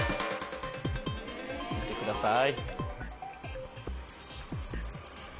よく見てください。